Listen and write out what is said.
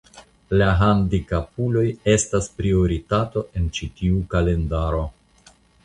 La handikapuloj estas prioritato en ĉi tiu kalendaro.